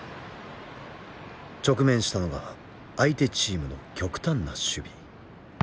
直面したのが相手チームの極端な守備。